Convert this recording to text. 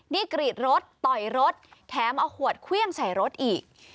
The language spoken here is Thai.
นี่กรีดรถต่อยรถแถมเอาขวดเครื่องใส่รถอีก